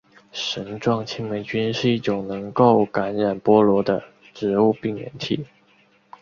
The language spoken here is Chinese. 绳状青霉菌是一种能够感染菠萝的植物病原体。